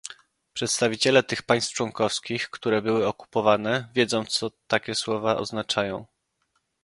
Przedstawiciele tych państw członkowskich, które były okupowane, wiedzą, co takie słowa oznaczają